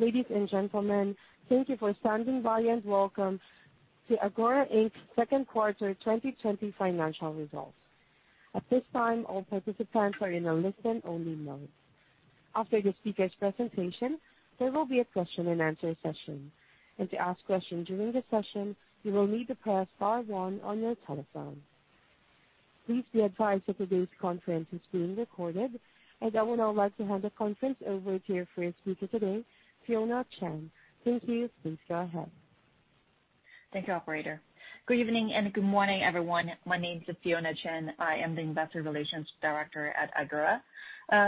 Ladies and gentlemen, thank you for standing by, and welcome to Agora's second quarter 2020 financial results. At this time, all participants are in a listen-only mode. After the speaker's presentation, there will be a question and answer session. If you ask questions during the session, you will need to press star one on your telephone. Please be advised that today's conference is being recorded. I would now like to hand the conference over to your first speaker today, Fionna Chen. Thank you. Please go ahead. Thank you, operator. Good evening, and good morning, everyone. My name is Fionna Chen. I am the investor relations director at Agora.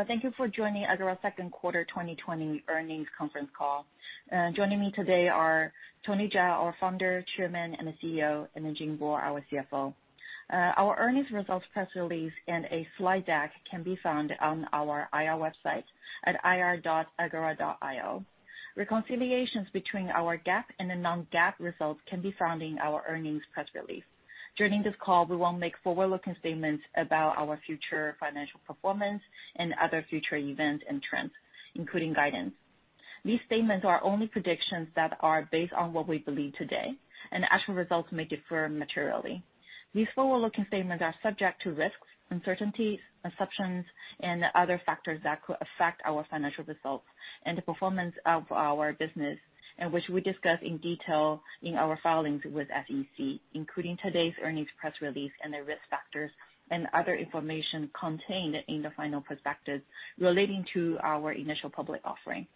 Thank you for joining Agora second quarter 2020 earnings conference call. Joining me today are Tony Zhao, our founder, chairman, and CEO, and Jingbo, our CFO. Our earnings results press release and a slide deck can be found on our IR website at ir.agora.io. Reconciliations between our GAAP and non-GAAP results can be found in our earnings press release. During this call, we will make forward-looking statements about our future financial performance and other future events and trends, including guidance. These statements are only predictions that are based on what we believe today, and actual results may differ materially. These forward-looking statements are subject to risks, uncertainties, assumptions, and other factors that could affect our financial results and the performance of our business. Which we discuss in detail in our filings with SEC, including today's earnings press release and the risk factors and other information contained in the final prospectus relating to our initial public offering.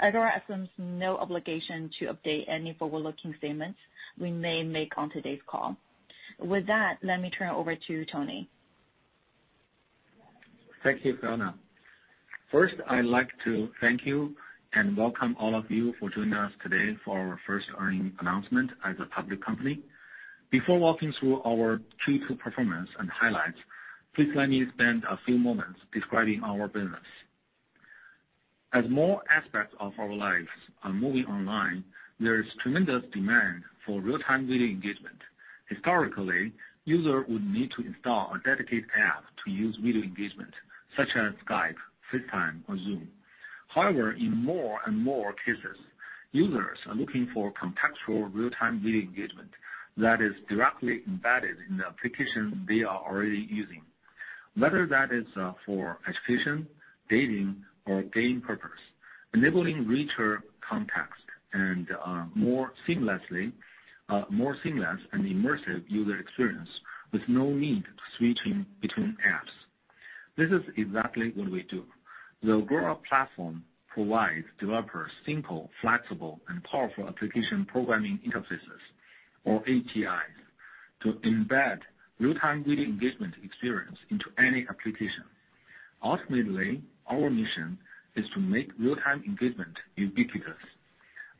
Agora assumes no obligation to update any forward-looking statements we may make on today's call. With that, let me turn it over to Tony. Thank you, Fionna. First, I'd like to thank you and welcome all of you for joining us today for our first earnings announcement as a public company. Before walking through our Q2 performance and highlights, please let me spend a few moments describing our business. As more aspects of our lives are moving online, there is tremendous demand for real-time video engagement. Historically, user would need to install a dedicated app to use video engagement, such as Skype, FaceTime, or Zoom. However, in more and more cases, users are looking for contextual real-time video engagement that is directly embedded in the application they are already using, whether that is for education, dating or game purpose, enabling richer context and more seamless and immersive user experience with no need to switching between apps. This is exactly what we do. The Agora platform provides developers simple, flexible, and powerful Application Programming Interfaces or APIs to embed real-time video engagement experience into any application. Ultimately, our mission is to make real-time engagement ubiquitous,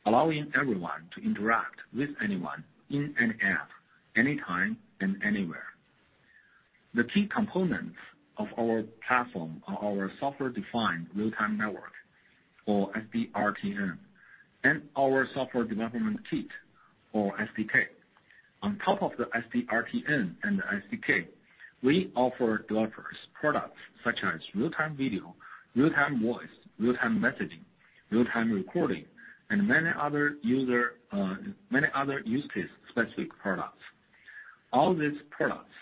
allowing everyone to interact with anyone in an app at any time and anywhere. The key components of our platform are our Software-Defined Real-Time Network, or SDRTN, and our Software Development Kit, or SDK. On top of the SDRTN and the SDK, we offer developers products such as real-time video, real-time voice, real-time messaging, real-time recording, and many other use case-specific products. All these products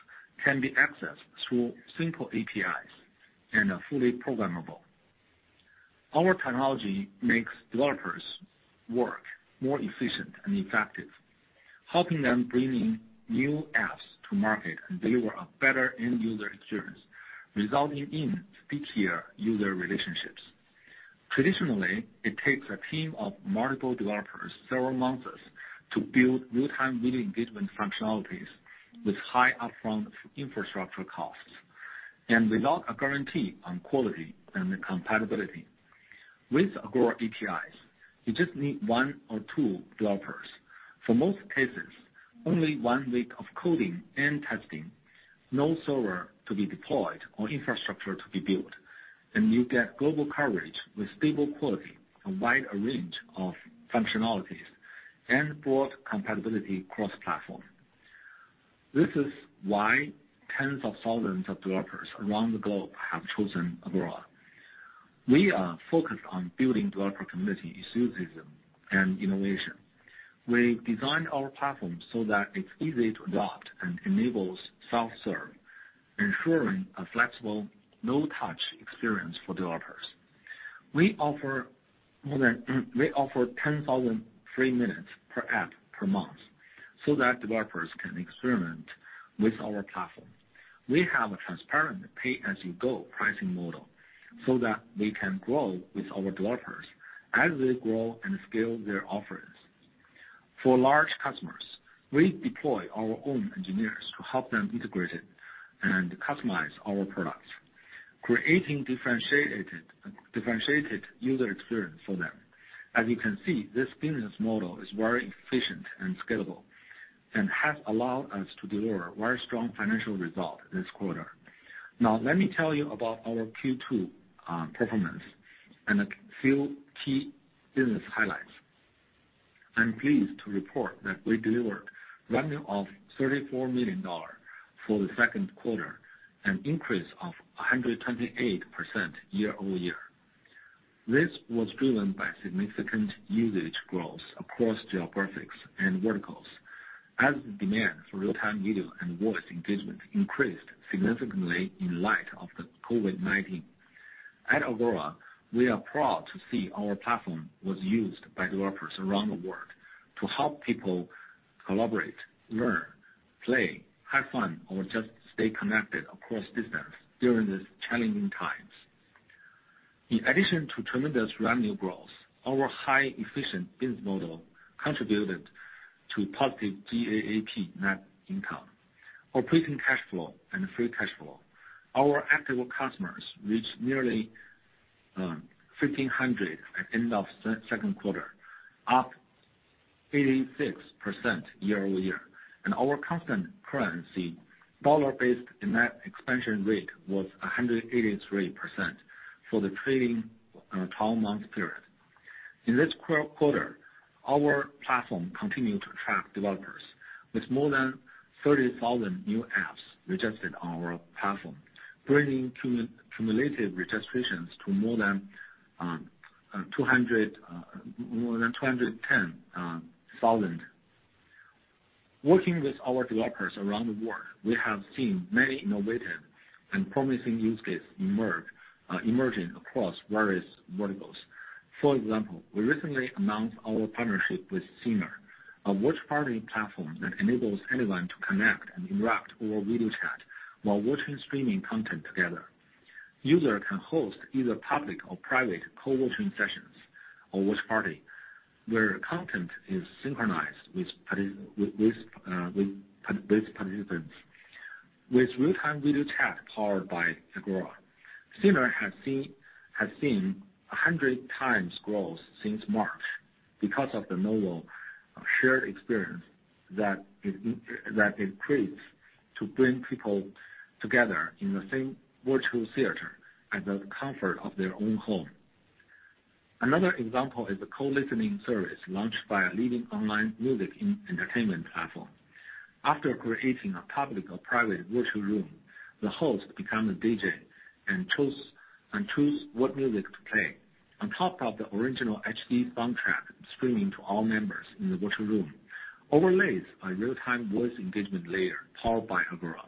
can be accessed through simple APIs and are fully programmable. Our technology makes developers work more efficient and effective, helping them bringing new apps to market and deliver a better end-user experience, resulting in stickier user relationships. Traditionally, it takes a team of multiple developers several months to build real-time video engagement functionalities with high upfront infrastructure costs and without a guarantee on quality and compatibility. With Agora APIs, you just need one or two developers. For most cases, only one week of coding and testing, no server to be deployed or infrastructure to be built. You get global coverage with stable quality and wide array of functionalities and broad compatibility cross-platform. This is why tens of thousands of developers around the globe have chosen Agora. We are focused on building developer community enthusiasm and innovation. We designed our platform so that it's easy to adopt and enables self-serve, ensuring a flexible, no-touch experience for developers. We offer 10,000 free minutes per app per month so that developers can experiment with our platform. We have a transparent pay-as-you-go pricing model so that we can grow with our developers as they grow and scale their offerings. For large customers, we deploy our own engineers to help them integrate it and customize our products, creating differentiated user experience for them. As you can see, this business model is very efficient and scalable and has allowed us to deliver very strong financial result this quarter. Now let me tell you about our Q2 performance and a few key business highlights. I'm pleased to report that we delivered revenue of $34 million for the second quarter, an increase of 128% year-over-year. This was driven by significant usage growth across geographies and verticals, as the demand for real-time video and voice engagement increased significantly in light of the COVID-19. At Agora, we are proud to see our platform was used by developers around the world to help people collaborate, learn, play, have fun, or just stay connected across distance during these challenging times. In addition to tremendous revenue growth, our highly efficient business model contributed to positive GAAP net income, operating cash flow, and free cash flow. Our active customers reached nearly 1,500 at end of second quarter, up 86% year-over-year, and our constant currency dollar-based net expansion rate was 183% for the trailing 12-month period. In this quarter, our platform continued to attract developers with more than 30,000 new apps registered on our platform, bringing cumulative registrations to more than 210,000. Working with our developers around the world, we have seen many innovative and promising use cases emerging across various verticals. For example, we recently announced our partnership with Scener, a watch party platform that enables anyone to connect and interact over video chat while watching streaming content together. User can host either public or private co-watching sessions or watch party where content is synchronized with participants. With real-time video chat powered by Agora, Scener has seen 100 times growth since March because of the novel shared experience that it creates to bring people together in the same virtual theater at the comfort of their own home. Another example is the co-listening service launched by a leading online music entertainment platform. After creating a public or private virtual room, the host become a DJ and choose what music to play. On top of the original HD soundtrack streaming to all members in the virtual room overlays a real-time voice engagement layer powered by Agora.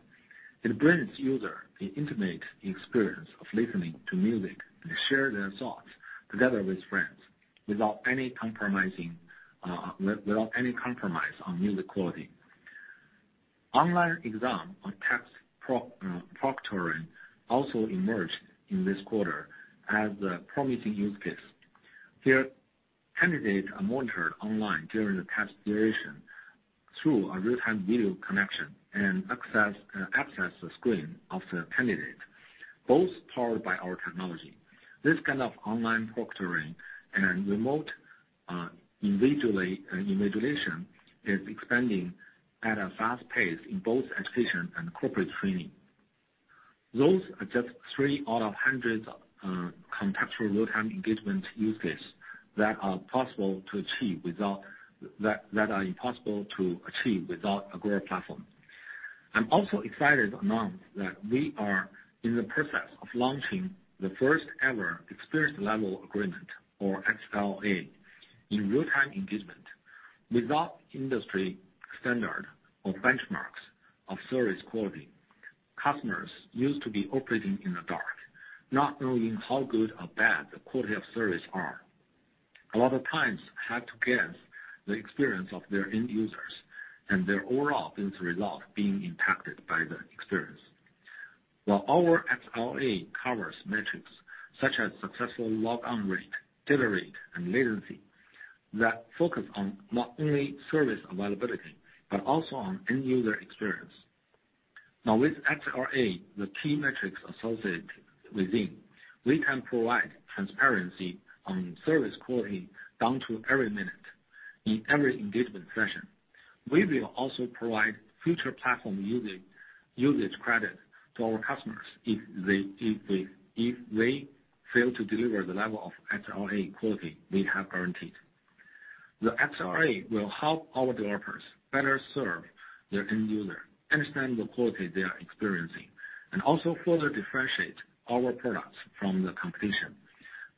It brings user the intimate experience of listening to music and share their thoughts together with friends without any compromise on music quality. Online exam on test proctoring also emerged in this quarter as a promising use case. Here, candidates are monitored online during the test duration through a real-time video connection and access the screen of the candidate, both powered by our technology. This kind of online proctoring and remote invigilation is expanding at a fast pace in both education and corporate training. Those are just three out of hundreds of contextual real-time engagement use cases that are possible to achieve without Agora platform. I'm also excited to announce that we are in the process of launching the first ever Experience Level Agreement, or XLA, in real-time engagement. Without industry standard or benchmarks of service quality, customers used to be operating in the dark, not knowing how good or bad the quality of service are. A lot of times had to guess the experience of their end users and their overall business result being impacted by the experience. While our XLA covers metrics such as successful log-on rate, data rate, and latency that focus on not only service availability, but also on end-user experience. Now with XLA, the key metrics associated within, we can provide transparency on service quality down to every minute in every engagement session. We will also provide future platform usage credit to our customers if we fail to deliver the level of XLA quality we have guaranteed. The XLA will help our developers better serve their end user, understand the quality they are experiencing, and also further differentiate our products from the competition.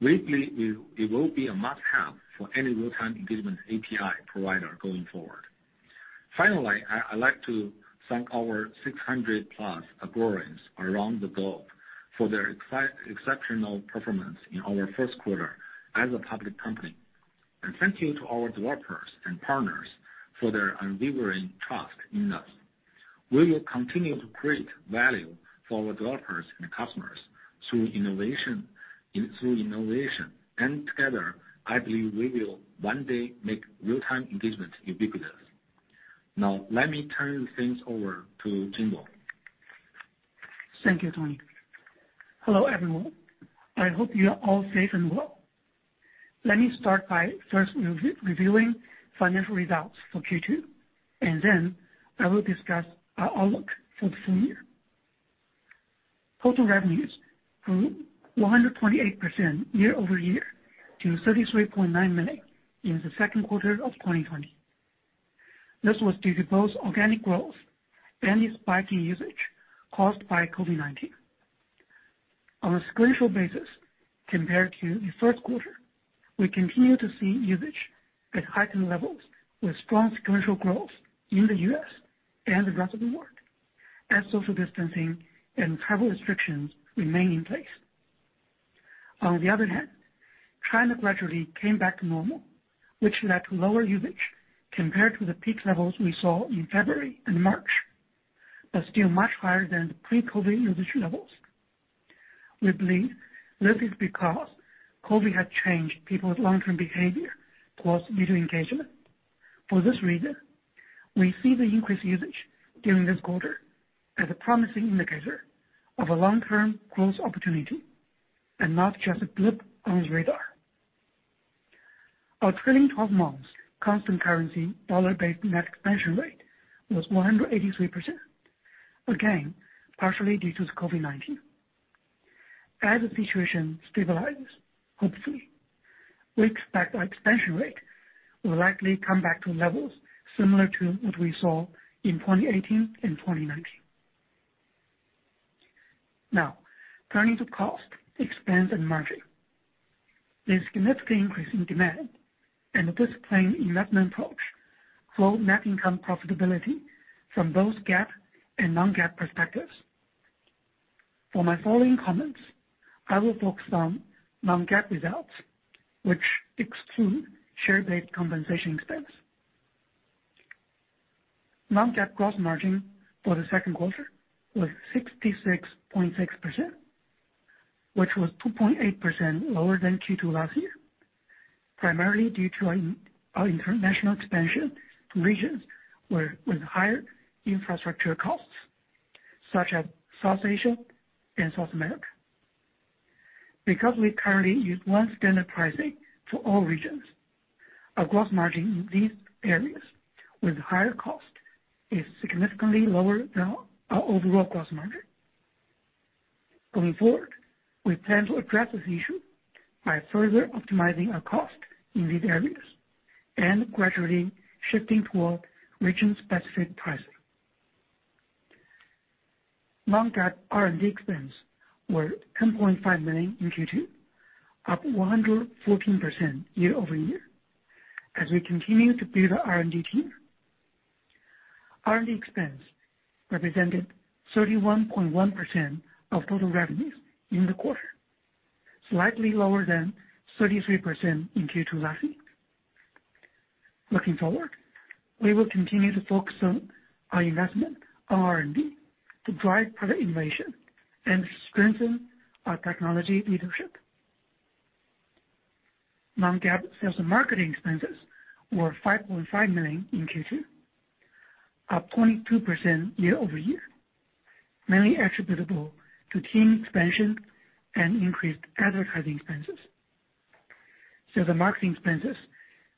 We believe it will be a must-have for any real-time engagement API provider going forward. Finally, I'd like to thank our 600+ Agorans around the globe for their exceptional performance in our first quarter as a public company. Thank you to our developers and partners for their unwavering trust in us. We will continue to create value for our developers and customers through innovation. Together, I believe we will one day make real-time engagement ubiquitous. Now, let me turn things over to Jingbo. Thank you, Tony. Hello, everyone. I hope you are all safe and well. Let me start by first reviewing financial results for Q2, and then I will discuss our outlook for the full year. Total revenues grew 128% year-over-year to $33.9 million in the second quarter of 2020. This was due to both organic growth and the spike in usage caused by COVID-19. On a sequential basis, compared to the first quarter, we continue to see usage at heightened levels with strong sequential growth in the U.S., and the rest of the world as social distancing and travel restrictions remain in place. On the other hand, China gradually came back to normal, which led to lower usage compared to the peak levels we saw in February and March, but still much higher than the pre-COVID usage levels. We believe this is because COVID-19 has changed people's long-term behavior towards video engagement. For this reason, we see the increased usage during this quarter as a promising indicator of a long-term growth opportunity and not just a blip on the radar. Our trailing 12 months constant currency dollar-based net expansion rate was 183%, again, partially due to COVID-19. As the situation stabilizes, hopefully, we expect our expansion rate will likely come back to levels similar to what we saw in 2018 and 2019. Turning to cost, expense, and margin. This significant increase in demand and the disciplined investment approach drove net income profitability from both GAAP and non-GAAP perspectives. For my following comments, I will focus on non-GAAP results, which exclude share-based compensation expense. Non-GAAP gross margin for the second quarter was 66.6%, which was 2.8% lower than Q2 last year, primarily due to our international expansion to regions with higher infrastructure costs, such as South Asia and South America. Because we currently use one standard pricing for all regions, our gross margin in these areas with higher cost is significantly lower than our overall gross margin. Going forward, we plan to address this issue by further optimizing our cost in these areas and gradually shifting toward region-specific pricing. Non-GAAP R&D expense were $10.5 million in Q2, up 114% year-over-year as we continue to build our R&D team. R&D expense represented 31.1% of total revenues in the quarter, slightly lower than 33% in Q2 last year. Looking forward, we will continue to focus on our investment on R&D to drive product innovation and strengthen our technology leadership. Non-GAAP sales and marketing expenses were $5.5 million in Q2, up 22% year-over-year, mainly attributable to team expansion and increased advertising expenses. Sales and marketing expenses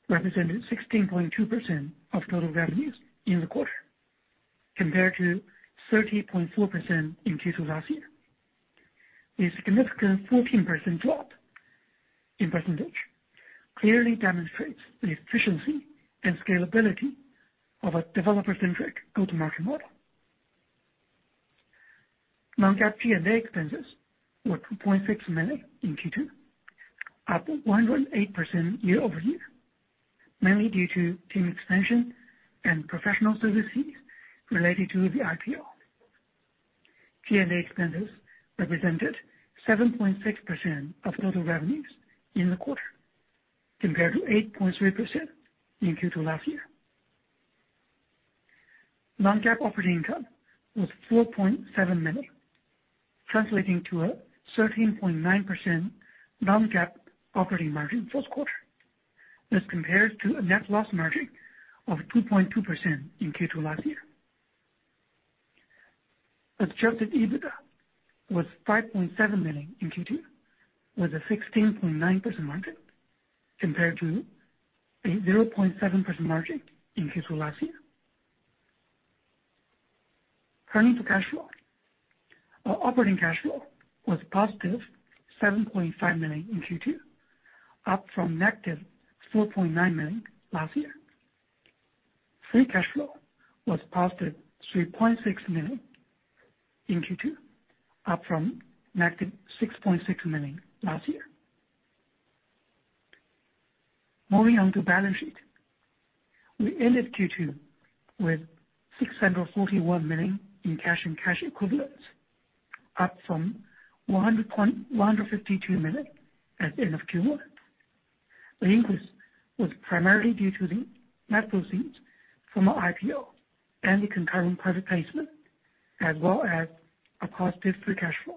represented 16.2% of total revenues in the quarter compared to 30.4% in Q2 last year. This significant 14% drop in percentage clearly demonstrates the efficiency and scalability of a developer-centric go-to-market model. Non-GAAP G&A expenses were $2.6 million in Q2, up 108% year-over-year, mainly due to team expansion and professional services related to the IPO. G&A expenses represented 7.6% of total revenues in the quarter compared to 8.3% in Q2 last year. Non-GAAP operating income was $4.7 million, translating to a 13.9% non-GAAP operating margin this quarter as compared to a net loss margin of 2.2% in Q2 last year. Adjusted EBITDA was $5.7 million in Q2, with a 16.9% margin compared to a 0.7% margin in Q2 last year. Turning to cash flow. Our operating cash flow was +$7.5 million in Q2, up from negative $4.9 million last year. Free cash flow was +$3.6 million in Q2, up from -$6.6 million last year. Moving on to balance sheet. We ended Q2 with $641 million in cash and cash equivalents, up from $152 million at the end of Q1. The increase was primarily due to the net proceeds from our IPO and the concurrent private placement, as well as our positive free cash flow.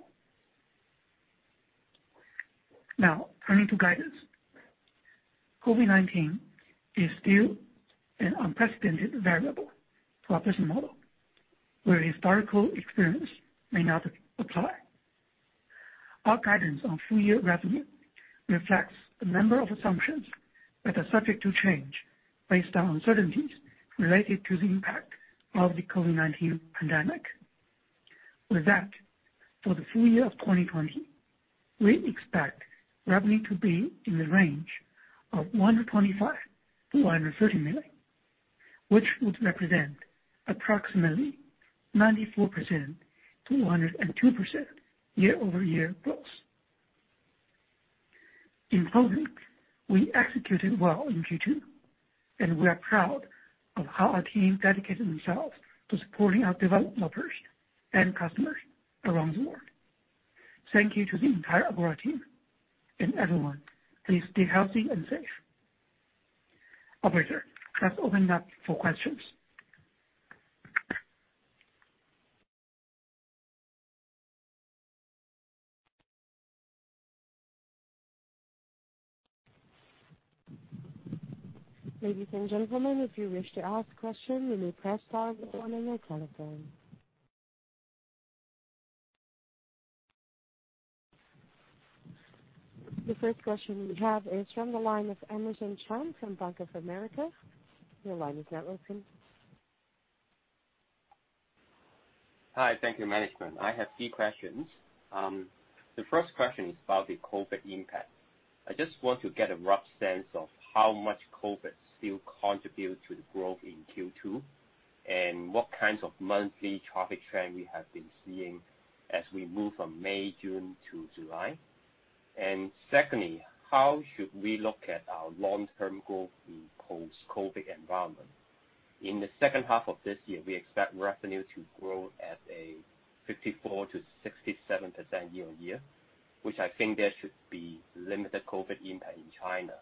Now, turning to guidance. COVID-19 is still an unprecedented variable to our business model, where historical experience may not apply. Our guidance on full-year revenue reflects a number of assumptions that are subject to change based on uncertainties related to the impact of the COVID-19 pandemic. With that, for the full year of 2020, we expect revenue to be in the range of $125 million-$130 million, which would represent approximately 94%-102% year-over-year growth. In closing, we executed well in Q2, and we are proud of how our team dedicated themselves to supporting our developers and customers around the world. Thank you to the entire Agora team and everyone, please stay healthy and safe. Operator, let's open up for questions. Ladies and gentlemen, if you wish to ask question, you may press star on your telephone. The first question we have is from the line of Emerson Chan from Bank of America. Your line is now open. Hi. Thank you management. I have three questions. The first question is about the COVID-19 impact. I just want to get a rough sense of how much COVID-19 still contribute to the growth in Q2, and what kinds of monthly traffic trend we have been seeing as we move from May, June to July. Secondly, how should we look at our long-term growth in post-COVID-19 environment? In the second half of this year, we expect revenue to grow at a 54% to 67% year-on-year, which I think there should be limited COVID-19 impact in China.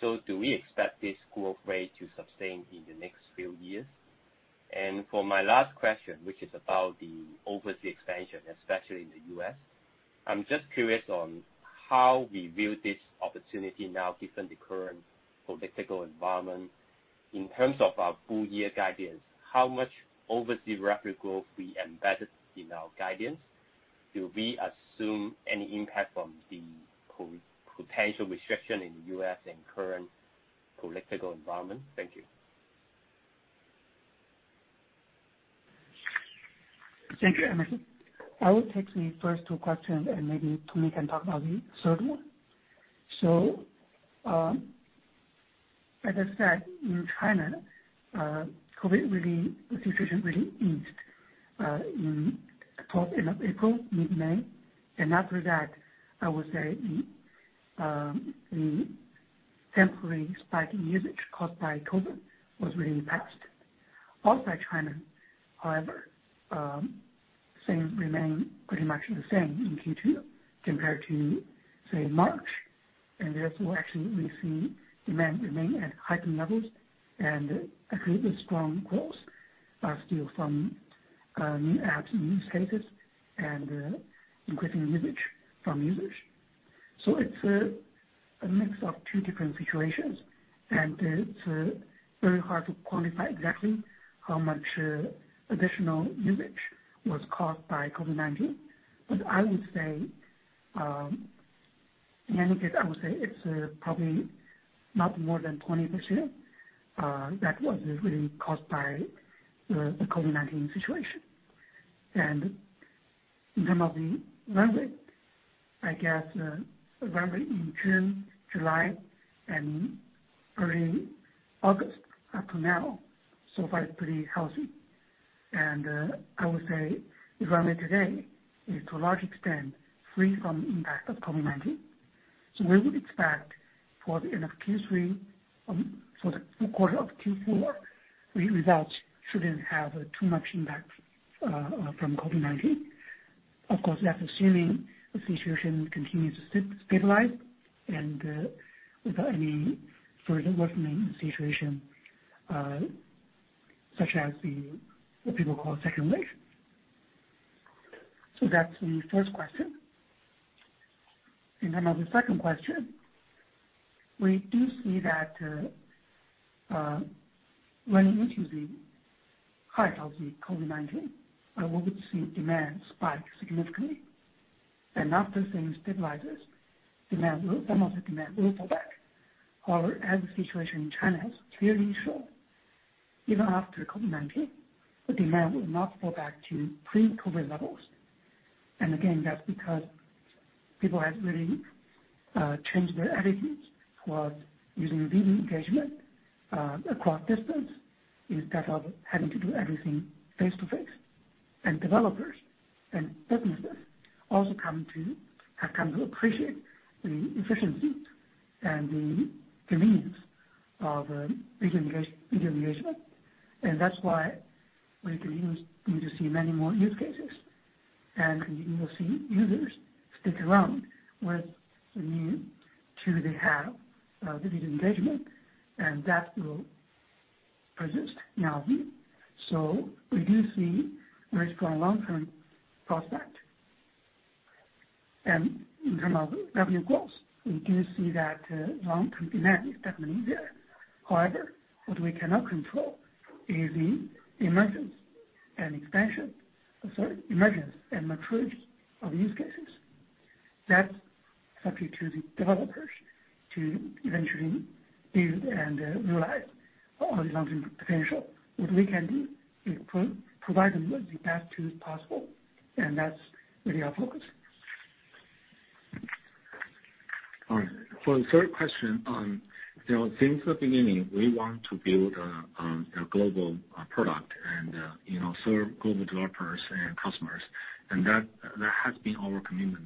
Do we expect this growth rate to sustain in the next few years? For my last question, which is about the overseas expansion, especially in the U.S., I'm just curious on how we view this opportunity now given the current political environment. In terms of our full year guidance, how much overseas revenue growth we embedded in our guidance? Do we assume any impact from the potential restriction in the U.S., and current political environment? Thank you. Thank you, Emerson. I will take the first two questions and maybe Tony can talk about the third one. As I said, in China, COVID-19 situation really eased in towards end of April, mid-May. After that, I would say the temporary spike in usage caused by COVID-19 was really passed. Outside China, however, things remain pretty much the same in Q2 compared to, say, March. Therefore, actually, we see demand remain at heightened levels and actually the strong growth are still from new apps, new use cases and increasing usage from users. It's a mix of two different situations, and it's very hard to quantify exactly how much additional usage was caused by COVID-19. I would say, in any case, I would say it's probably not more than 20% that was really caused by the COVID-19 situation. In terms of the run rate, I guess, the run rate in June, July and early August up to now is pretty healthy. I would say the run rate today is to a large extent free from impact of COVID-19. We would expect for the end of Q3 for the full quarter of Q4, the results shouldn't have too much impact from COVID-19. Of course, that's assuming the situation continues to stabilize and without any further worsening the situation, such as the, what people call second wave. That's the first question. In terms of the second question, we do see that, running into the height of COVID-19, we would see demand spike significantly. After things stabilizes, some of the demand will fall back. However, as the situation in China has clearly shown, even after COVID-19, the demand will not fall back to pre-COVID levels. Again, that's because people have really changed their attitudes towards using video engagement across distance instead of having to do everything face to face. Developers and businesses also have come to appreciate the efficiency and the convenience of video engagement. That's why we continue to see many more use cases, and we will see users stick around with the new tool they have, video engagement, and that will persist in our view. We do see very strong long-term prospect. In term of revenue growth, we do see that long-term demand is definitely there. However, what we cannot control is the emergence and maturity of use cases. That's up to the developers to eventually build and realize all the long-term potential. What we can do is provide them with the best tools possible, and that's really our focus. All right. For the third question, since the beginning, we want to build a global product and serve global developers and customers. That has been our commitment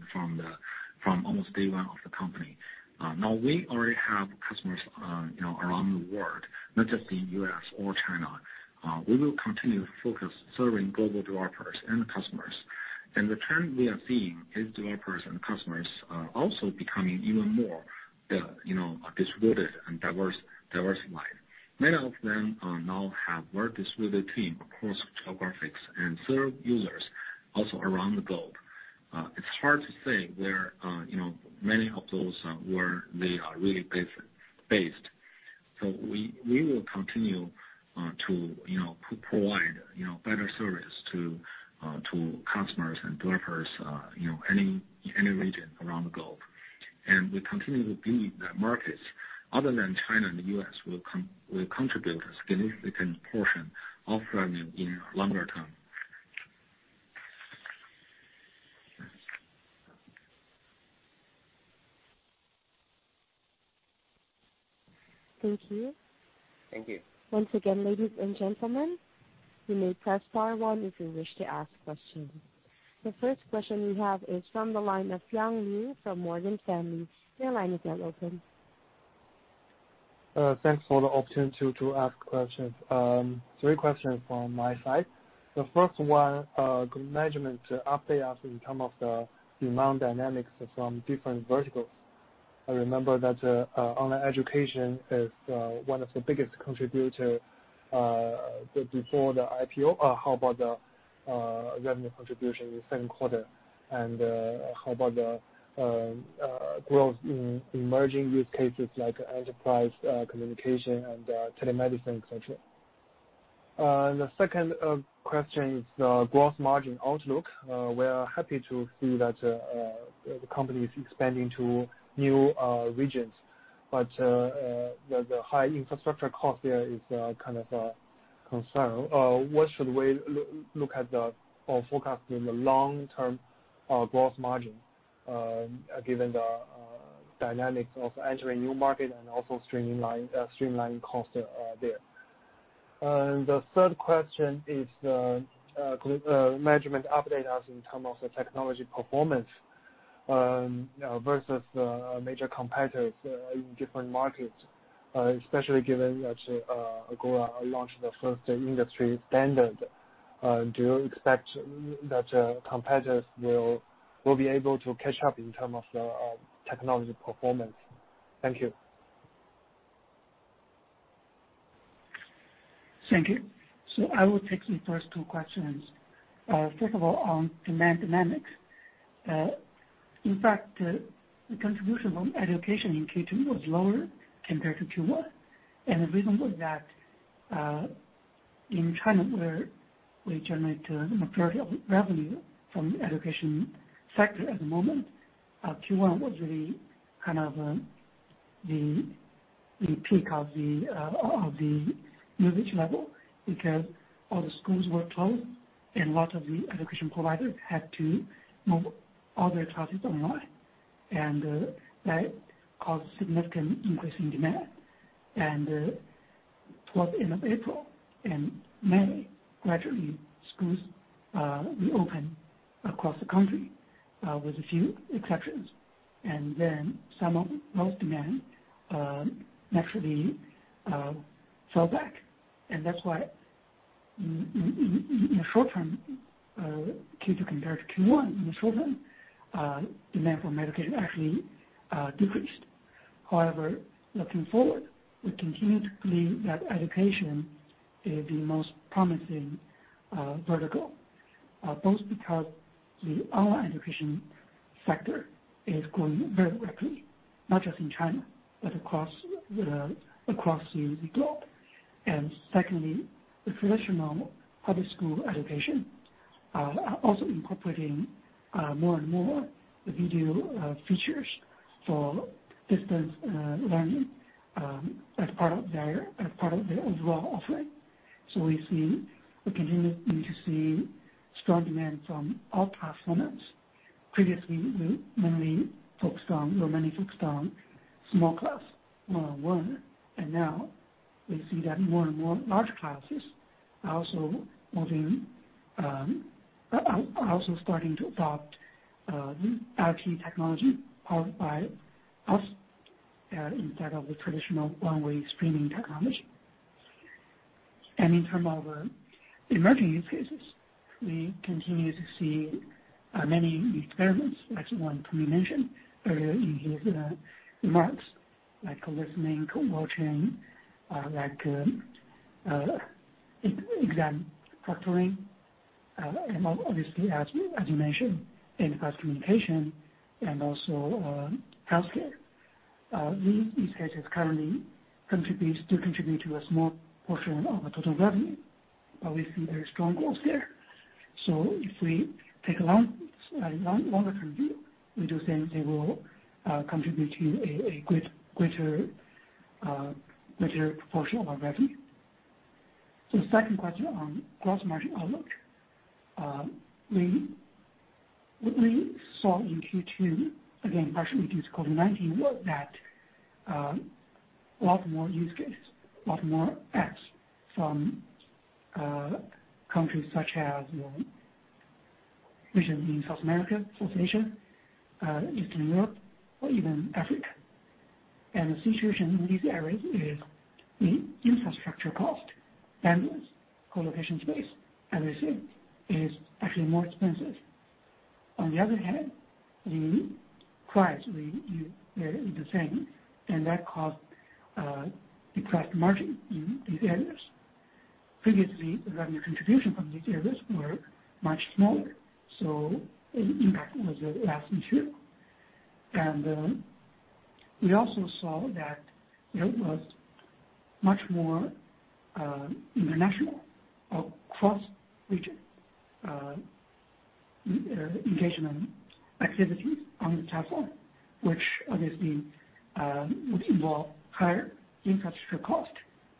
from almost day one of the company. Now we already have customers around the world, not just in U.S., or China. We will continue to focus on serving global developers and customers. The trend we are seeing is developers and customers are also becoming even more distributed and diversified. Many of them now have a more distributed team across geographies and serve users also around the globe. It's hard to say where many of those were, they are really based. We will continue to provide better service to customers and developers in any region around the globe. We continue to believe that markets other than China and the U.S., will contribute a significant portion of revenue in longer term. Thank you. Thank you. Once again, ladies and gentlemen, you may press star one if you wish to ask questions. The first question we have is from the line of Yang Liu from Morgan Stanley. Your line is now open. Thanks for the opportunity to ask questions. three questions from my side. The first one, management update us in term of the demand dynamics from different verticals. I remember that online education is one of the biggest contributor before the IPO. How about the revenue contribution in the second quarter, and how about the growth in emerging use cases like enterprise communication and telemedicine, et cetera? The second question is the gross margin outlook. We are happy to see that the company is expanding to new regions, but the high infrastructure cost there is kind of a concern. What should we look at, or forecast in the long-term gross margin, given the dynamics of entering new market and also streamlining cost there? The third question is management update us in terms of the technology performance versus the major competitors in different markets, especially given that Agora launched the first industry standard. Do you expect that competitors will be able to catch up in terms of the technology performance? Thank you. Thank you. I will take the first two questions. First of all, on demand dynamics. In fact, the contribution on education in Q2 was lower compared to Q1. The reason was that, in China, where we generate the majority of revenue from the education sector at the moment, Q1 was really the peak of the usage level because all the schools were closed and a lot of the education providers had to move all their classes online. That caused a significant increase in demand. Towards the end of April and May, gradually, schools reopened across the country, with a few exceptions. Some of those demand naturally fell back. That's why in Q2 compared to Q1, in the short term, demand for education actually decreased. Looking forward, we continue to believe that education is the most promising vertical both because the online education sector is growing very rapidly, not just in China, but across the globe. Secondly, the traditional public school education are also incorporating more and more video features for distance learning as part of their overall offering. We continue to see strong demand from all class formats. Previously, we mainly focused on small class 1, and now we see that more and more large classes are also starting to adopt the RTE technology powered by us, instead of the traditional one-way streaming technology. In terms of emerging use cases, we continue to see many experiments like the one Tony mentioned earlier in his remarks, like listening, co-watching, like exam proctoring and obviously, as you mentioned, enterprise communication and also healthcare. These cases currently still contribute to a small portion of our total revenue, but we see very strong growth there. If we take a longer-term view, we do think they will contribute to a greater portion of our revenue. The second question on gross margin outlook. We saw in Q2, again, partially due to COVID-19, that a lot more use cases, a lot more apps from countries such as regions in South America, South Asia, Eastern Europe, or even Africa. The situation in these areas is the infrastructure cost, bandwidth, co-location space, as I said, is actually more expensive. On the other hand, the price remains the same, and that caused a depressed margin in these areas. Previously, the revenue contribution from these areas were much smaller, so the impact was less an issue. We also saw that there was much more international or cross-region engagement activities on the platform, which obviously would involve higher infrastructure cost.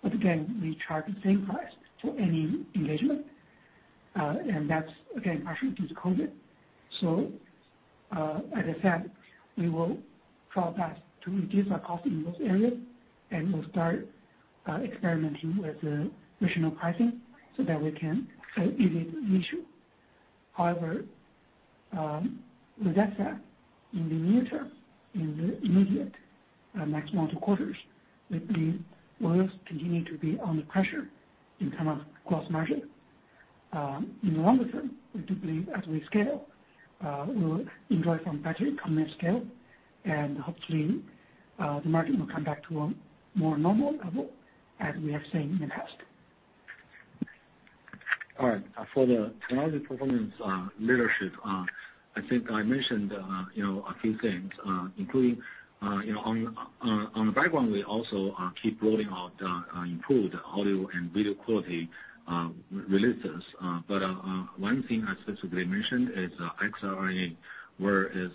Again, we charge the same price for any engagement. That's again, partially due to COVID. As I said, we will try our best to reduce our cost in those areas, and we'll start experimenting with regional pricing so that we can ease this issue. However, with that said, in the near term, in the immediate next one to two quarters, the gross continues to be under pressure in terms of gross margin. In the longer term, we do believe as we scale, we will enjoy some benefit from that scale, and hopefully, the margin will come back to a more normal level as we have seen in the past. All right. For the technology performance leadership, I think I mentioned a few things, including on the background, we also keep rolling out improved audio and video quality releases. One thing I specifically mentioned is XLA, where is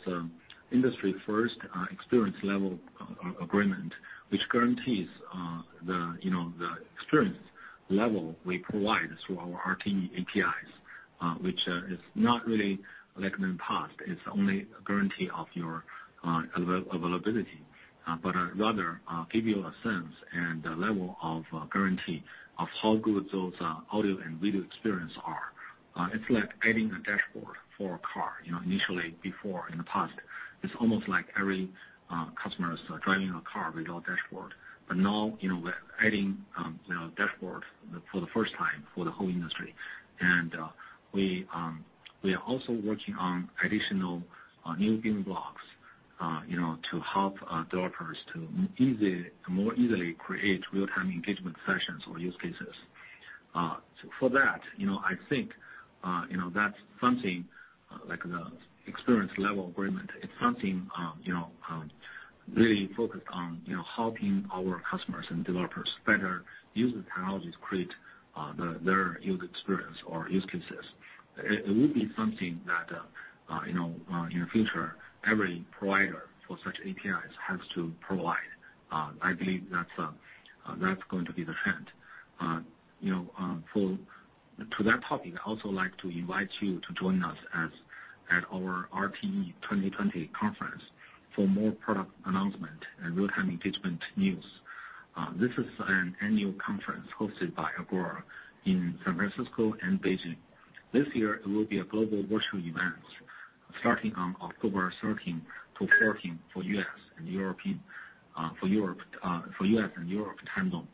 industry-first experience level agreement, which guarantees the experience level we provide through our RTE APIs, which is not really like in the past. It's only a guarantee of your availability. Rather, give you a sense and the level of guarantee of how good those audio and video experience are. It's like adding a dashboard for a car. Initially, before, in the past, it's almost like every customer is driving a car without dashboard. Now, we're adding the dashboard for the first time for the whole industry. We are also working on additional new building blocks to help developers to more easily create real-time engagement sessions or use cases. For that, I think that's something like the Experience Level Agreement. It's something really focused on helping our customers and developers better use the technologies to create their user experience or use cases. It will be something that in the future, every provider for such APIs has to provide. I believe that's going to be the trend. To that topic, I also like to invite you to join us at our RTE2020 conference for more product announcement and real-time engagement news. This is an annual conference hosted by Agora in San Francisco and Beijing. This year, it will be a global virtual event starting on October 13-14 for U.S., and Europe time zone,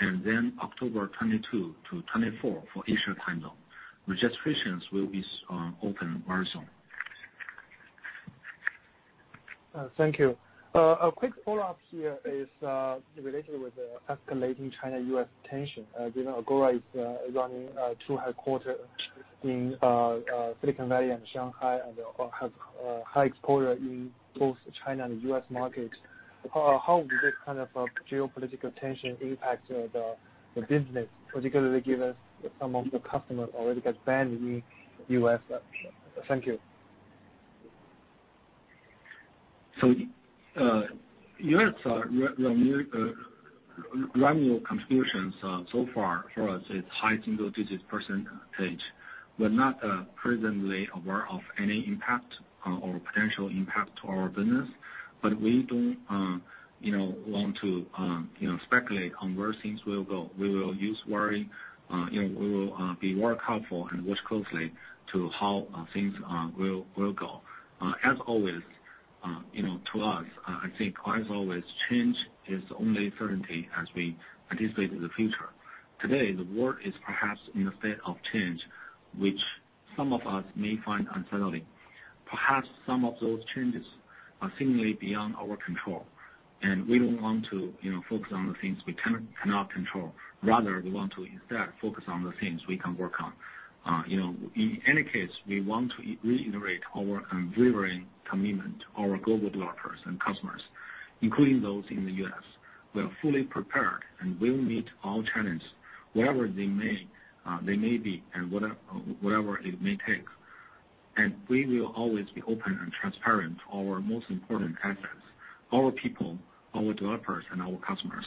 and then October 22-24 for Asia time zone. Registrations will be open very soon. Thank you. A quick follow-up here is related with the escalating China-U.S., tension. As you know, Agora is running two headquarters in Silicon Valley and Shanghai and have high exposure in both China and US market. How does this kind of geopolitical tension impact the business, particularly given some of the customers already got banned in the U.S.,? Thank you. US revenue contributions so far for us, it's high single-digit percentage. We're not presently aware of any impact or potential impact to our business. We don't want to speculate on where things will go. We will be more careful and watch closely to how things will go. As always, to us, I think as always, change is the only certainty as we anticipate the future. Today, the world is perhaps in a state of change, which some of us may find unsettling. Perhaps some of those changes are seemingly beyond our control, and we don't want to focus on the things we cannot control. Rather, we want to instead focus on the things we can work on. In any case, we want to reiterate our unwavering commitment to our global developers and customers, including those in the U.S.,. We are fully prepared and will meet all challenges, whatever they may be and whatever it may take. We will always be open and transparent to our most important assets, our people, our developers, and our customers.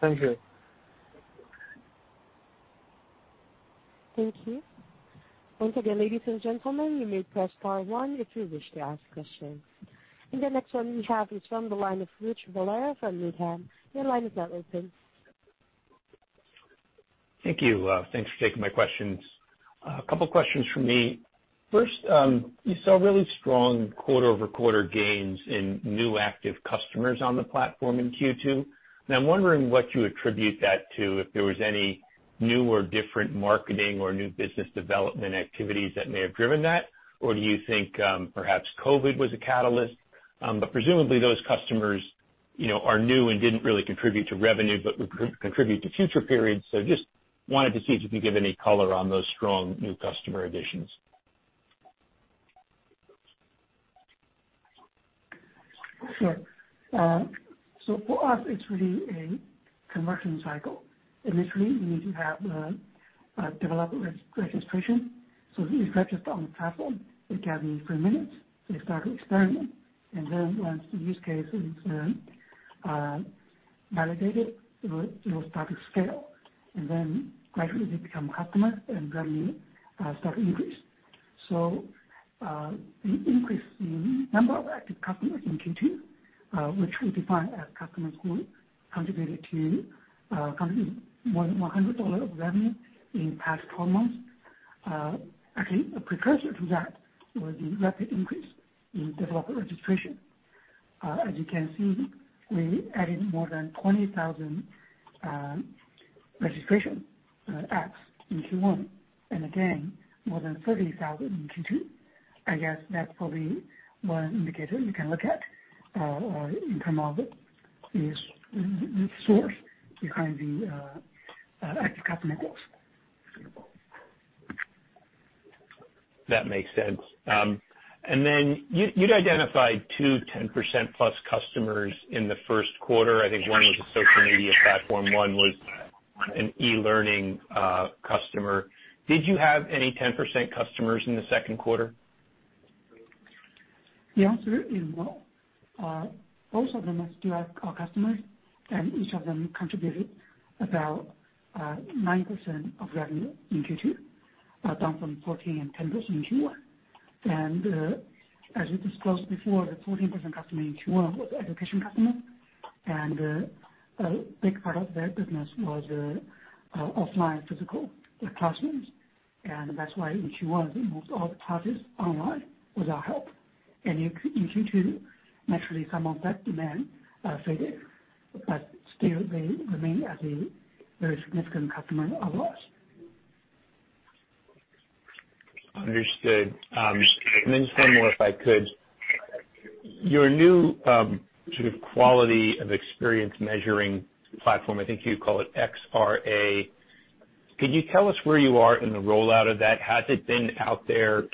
Thank you. Thank you. Once again, ladies and gentlemen, you may press star one if you wish to ask questions. The next one we have is from the line of Rich Valera from Needham. Your line is now open. Thank you. Thanks for taking my questions. A couple questions from me. First, you saw really strong quarter-over-quarter gains in new active customers on the platform in Q2, and I'm wondering what you attribute that to, if there was any new or different marketing or new business development activities that may have driven that? Or do you think perhaps COVID-19 was a catalyst? Presumably, those customers are new and didn't really contribute to revenue, but would contribute to future periods. Just wanted to see if you could give any color on those strong new customer additions. Sure. For us, it's really a conversion cycle. Initially, we need to have a developer registration. They register on the platform, it can be three minutes, they start to experiment, once the use case is validated, it will start to scale. Gradually they become customer, revenue start to increase. The increase in number of active customers in Q2, which we define as customers who contributed more than $100 of revenue in past 12 months. Actually, a precursor to that was the rapid increase in developer registration. As you can see, we added more than 20,000 registration apps in Q1, again, more than 30,000 in Q2. I guess that's probably one indicator you can look at, or in term of it is the source behind the active customer growth. That makes sense. You'd identified two 10%+ customers in the first quarter. I think one was a social media platform, one was an e-learning customer. Did you have any 10% customers in the second quarter? The answer is no. Both of them still are customers. Each of them contributed about 9% of revenue in Q2, down from 14% and 10% in Q1. As we disclosed before, the 14% customer in Q1 was education customer, and a big part of their business was offline physical classrooms, and that's why in Q1 they moved all the classes online without help. In Q2, naturally, some of that demand faded, but still they remain as a very significant customer of ours. Understood. Just one more, if I could. Your new sort of quality of experience measuring platform, I think you call it XLA, could you tell us where you are in the rollout of that? Has it been out there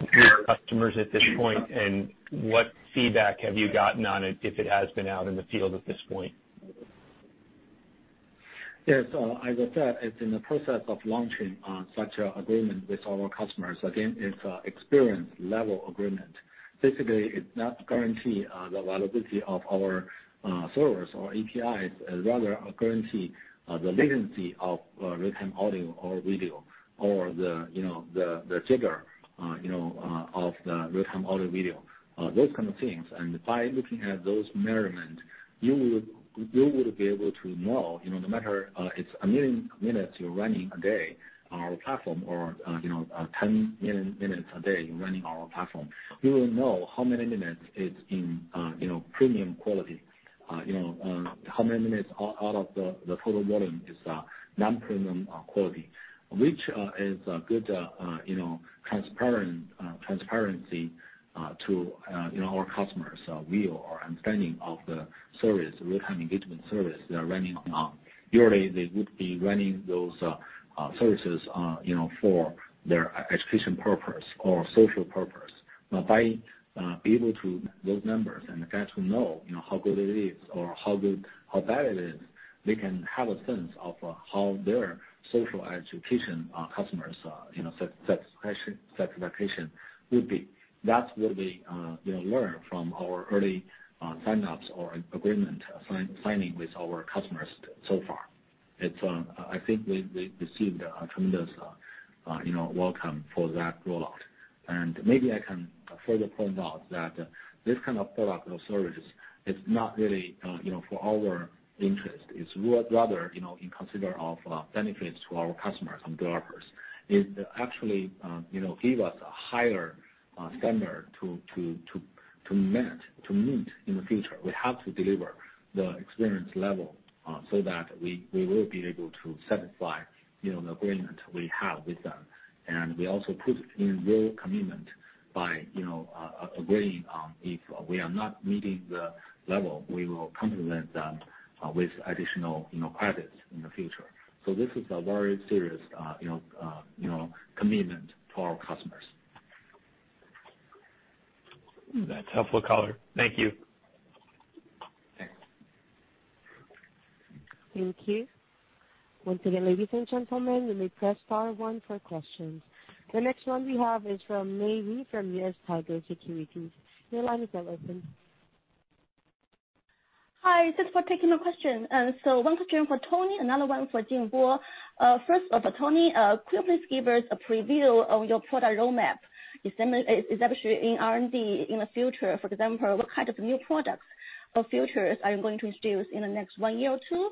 with customers at this point, and what feedback have you gotten on it, if it has been out in the field at this point? Yes. As I said, it's in the process of launching such an agreement with our customers. Again, it's a Experience Level Agreement. Basically, it's not guarantee the availability of our servers or APIs, rather a guarantee the latency of real-time audio or video or the jitter of the real-time audio/video, those kind of things. By looking at those measurements, you would be able to know, no matter it's 1 million minutes you're running a day on our platform or 10 million minutes a day running our platform, you will know how many minutes it's in premium quality. How many minutes out of the total volume is non-premium quality, which is good transparency to our customers' view or understanding of the service, Real-Time Engagement service they are running on. Usually they would be running those services for their education purpose or social purpose. By be able to those numbers and get to know how good it is or how bad it is, they can have a sense of how their social education customers' satisfaction would be. That's what we learn from our early sign-ups or agreement signing with our customers so far. I think we've received a tremendous welcome for that rollout. Maybe I can further point out that this kind of product or service is not really for our interest. It's rather in consideration of benefits to our customers and developers. It actually give us a higher standard to meet in the future. We have to deliver the experience level so that we will be able to satisfy the agreement we have with them. We also put in real commitment by agreeing if we are not meeting the level, we will compensate them with additional credits in the future. This is a very serious commitment to our customers. That's helpful, color. Thank you. Thanks. Thank you. Once again, ladies and gentlemen, you may press star one for questions. The next one we have is from Mei He from US Tiger Securities. Your line is now open. Hi, thanks for taking my question. One question for Tony, another one for Jingbo. First, for Tony, could you please give us a preview of your product roadmap, especially in R&D in the future, for example, what kind of new products or features are you going to introduce in the next one year or two?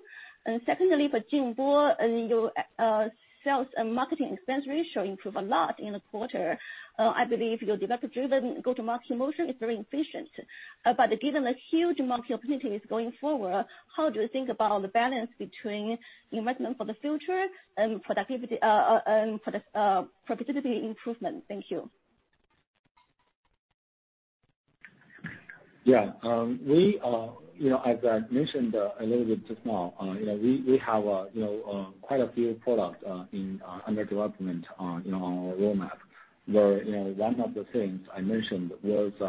Secondly, for Jingbo, your sales and marketing expense ratio improved a lot in the quarter. I believe your developer-driven go-to-market motion is very efficient. Given the huge market opportunities going forward, how do you think about the balance between investment for the future and profitability improvement? Thank you. Yeah. As I mentioned a little bit just now, we have quite a few products under development on our roadmap, where one of the things I mentioned was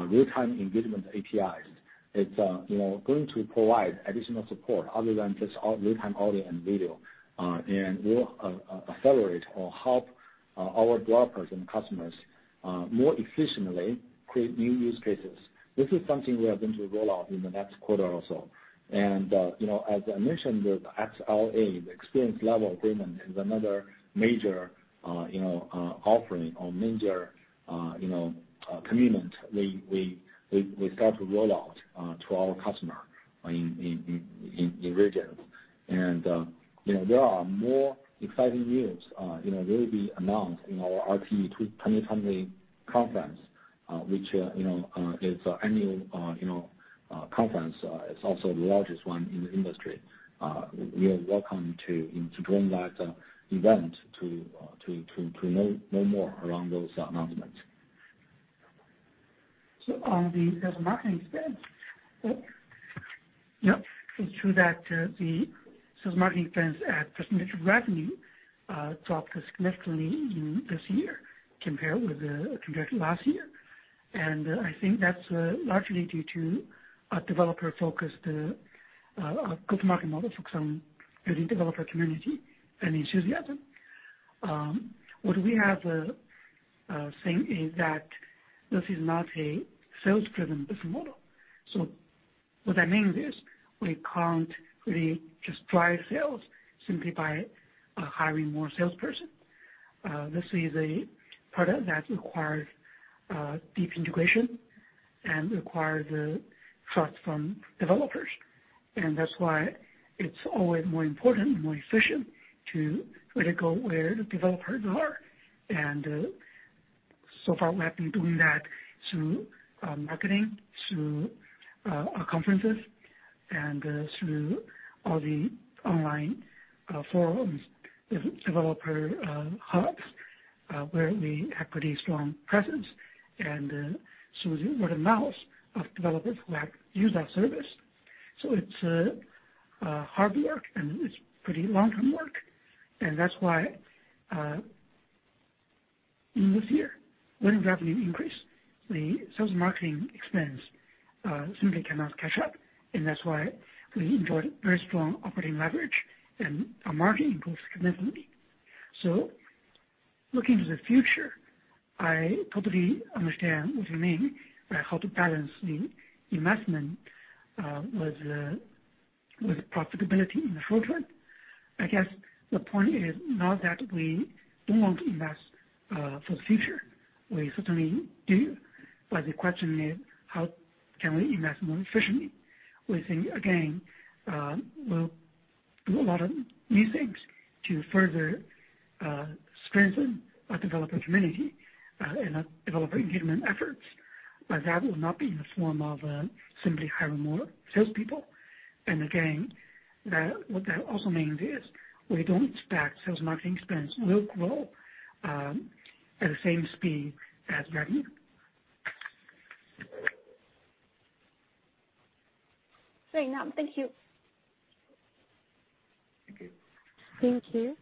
real-time engagement APIs. It's going to provide additional support other than just real-time audio and video, and will accelerate or help our developers and customers more efficiently create new use cases. This is something we are going to roll out in the next quarter or so. As I mentioned, the XLA, the experience level agreement, is another major offering or major commitment we start to roll out to our customer in regions. There are more exciting news will be announced in our RTE2020 conference, which is annual conference. It's also the largest one in the industry. You are welcome to join that event to know more around those announcements. On the sales marketing expense, it's true that the sales marketing expense as percentage of revenue dropped significantly this year compared to last year. I think that's largely due to a developer-focused go-to-market model, focused on building developer community and enthusiasm. What I mean is we can't really just drive sales simply by hiring more salesperson. This is a product that requires deep integration and requires the trust from developers. That's why it's always more important and more efficient to really go where the developers are. So far, we have been doing that through marketing, through our conferences, and through all the online forums, different developer hubs, where we have pretty strong presence and through the word of mouth of developers who have used our service. It's hard work, and it's pretty long-term work. That's why this year when revenue increased, the sales marketing expense simply cannot catch up, and that's why we enjoyed very strong operating leverage and our margin improved significantly. Looking to the future, I totally understand what you mean by how to balance the investment with profitability in the short run. I guess the point is not that we don't want to invest for the future. We certainly do. The question is, how can we invest more efficiently? We think, again, we'll do a lot of new things to further strengthen our developer community and our developer engagement efforts, but that will not be in the form of simply hiring more salespeople. Again, what that also means is we don't expect sales marketing expense will grow at the same speed as revenue. Great. Thank you. Thank you. Thank you.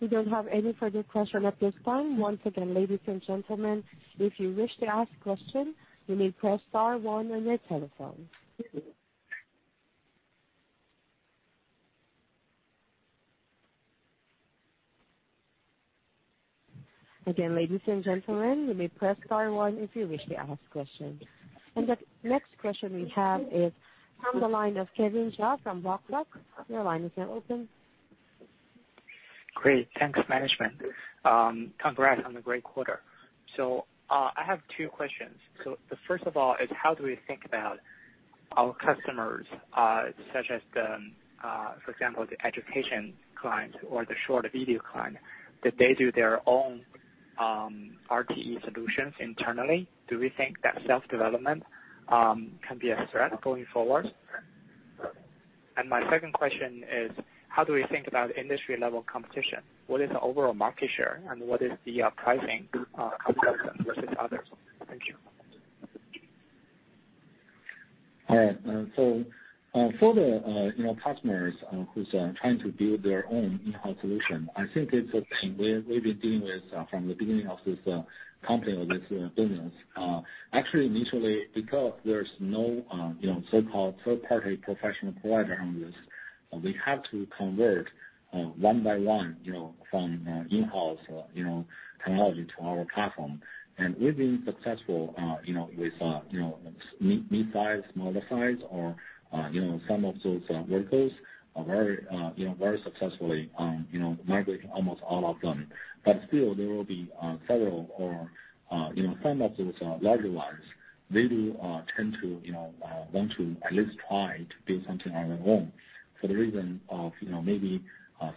We don't have any further question at this time. Once again, ladies and gentlemen, if you wish to ask question, you may press star one on your telephone. Thank you. Again, ladies and gentlemen, you may press star one if you wish to ask question. The next question we have is from the line of [Kevin Sha from Blockblock]. Your line is now open. Great. Thanks, management. Congrats on the great quarter. I have two questions. The first of all is how do we think about our customers, such as the, for example, the education client or the short video client, that they do their own RTE solutions internally? Do we think that self-development can be a threat going forward? My second question is how do we think about industry-level competition? What is the overall market share, and what is the pricing comparison versus others? Thank you. All right. For the customers who's trying to build their own in-house solution, I think it's a thing we've been dealing with from the beginning of this company or this business. Initially, because there's no so-called third-party professional provider on this, we have to convert one by one from in-house technology to our platform. We've been successful with mid-size, smaller size, or some of those workers very successfully migrating almost all of them. Still, there will be several, or some of those larger ones, they do tend to want to at least try to build something on their own for the reason of maybe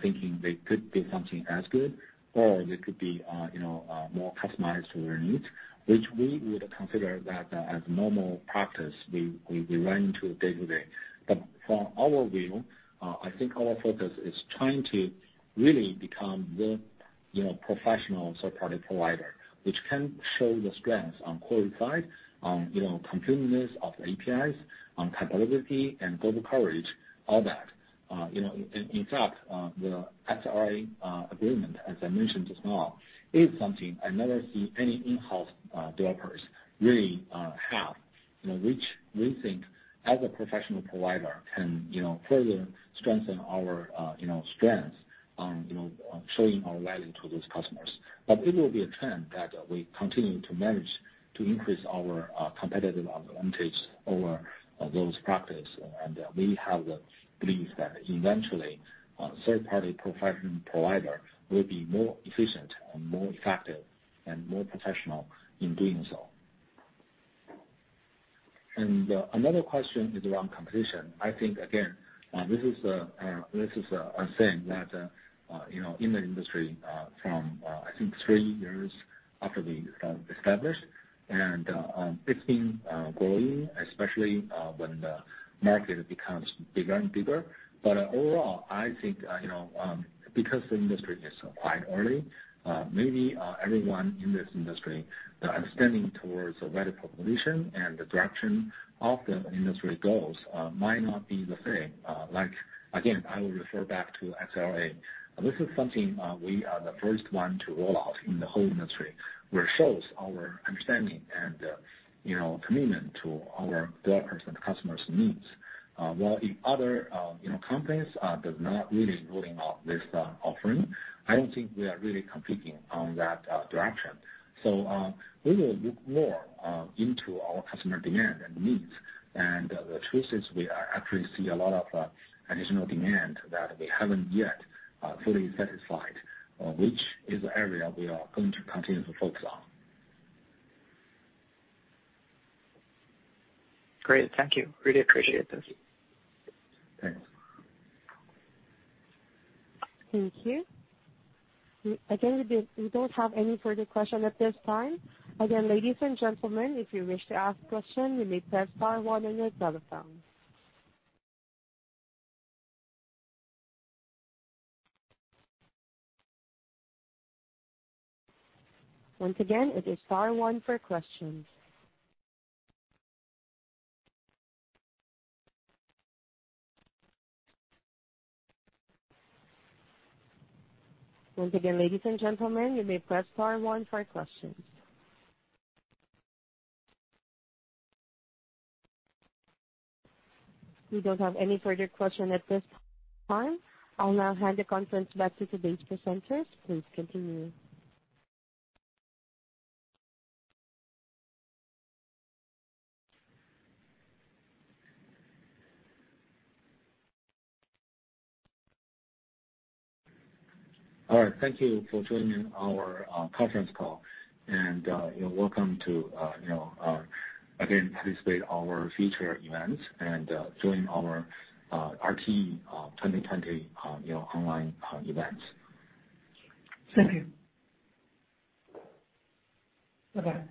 thinking they could build something as good or they could be more customized to their needs, which we would consider that as normal practice we run into day-to-day. From our view, I think our focus is trying to really become the professional third-party provider, which can show the strengths on quality side, on completeness of APIs, on capability and global coverage, all that. In fact, the XLA agreement, as I mentioned just now, is something I never see any in-house developers really have, which we think as a professional provider can further strengthen our strengths on showing our value to those customers. It will be a trend that we continue to manage to increase our competitive advantage over those practices, and we have the belief that eventually, third-party professional provider will be more efficient and more effective and more professional in doing so. Another question is around competition. I think, again, this is a thing that in the industry from I think three years after we established, and it's been growing, especially when the market becomes bigger and bigger. Overall, I think, because the industry is quite early, maybe everyone in this industry understanding towards the right proposition and the direction of the industry goals might not be the same. Again, I will refer back to XLA. This is something we are the first one to roll out in the whole industry, which shows our understanding and commitment to our developers' and customers' needs. While other companies does not really rolling out this offering, I don't think we are really competing on that direction. We will look more into our customer demand and needs, and the truth is we actually see a lot of additional demand that we haven't yet fully satisfied, which is the area we are going to continue to focus on. Great. Thank you. Really appreciate this. Thanks. Thank you. Again, we don't have any further question at this time. Again, ladies and gentlemen, if you wish to ask question, you may press star one on your telephone. Once again, it is star one for questions. Once again, ladies and gentlemen, you may press star one for questions. We don't have any further question at this time. I'll now hand the conference back to today's presenters. Please continue. All right. Thank you for joining our conference call, welcome to again participate our future events and join our RTE2020 online events. Thank you. Bye-bye.